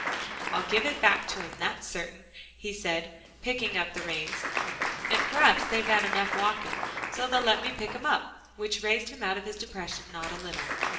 "Ill give it back to him, that's cert'in," he said, picking up the reins, "and p'raps they've had enough walkin' so they'll let me pick 'em up," which raised him out of his depression not a little.